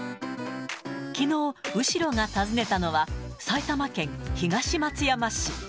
きのう、後呂が訪ねたのは、埼玉県東松山市。